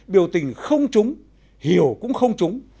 biểu tình không trúng hiểu cũng không trúng